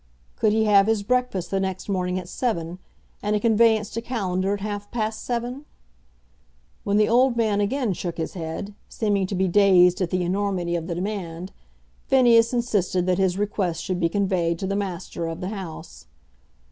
Could he have his breakfast the next morning at seven, and a conveyance to Callender at half past seven? When the old man again shook his head, seeming to be dazed at the enormity of the demand, Phineas insisted that his request should be conveyed to the master of the house.